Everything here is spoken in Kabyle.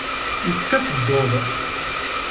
Yessefk ad tedduḍ.